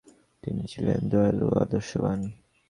তিনি ছিলেন দয়ালু ও আদর্শবান।